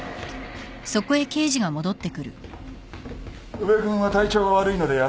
宇部君は体調が悪いので休ませた。